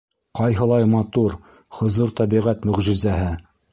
Ҡайһылай матур, хозур тәбиғәт мөғжизәһе!